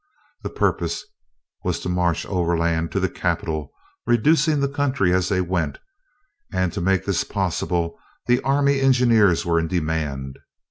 The purpose was to march overland to the capital, reducing the country as they went; and to make this possible the army engineers were in demand.